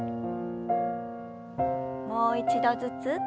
もう一度ずつ。